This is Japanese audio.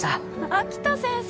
秋田先生